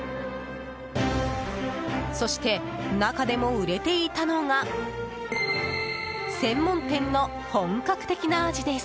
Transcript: そして、中でも売れていたのが専門店の本格的な味です。